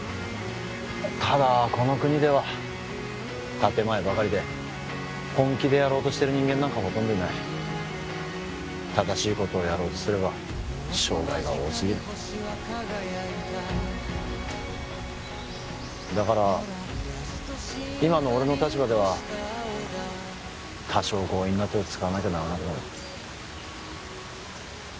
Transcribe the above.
ただこの国では建前ばかりで本気でやろうとしてる人間なんかほとんどいない正しいことをやろうとすれば障害が多すぎるだから今の俺の立場では多少強引な手を使わなきゃならなくなる